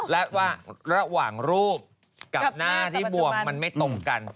และระหว่างรูปกับหน้าที่บวมมันไม่ตรงกัน